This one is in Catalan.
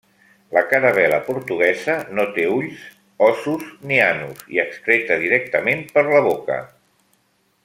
La caravel·la portuguesa no té ulls, ossos ni anus, i excreta directament per la boca.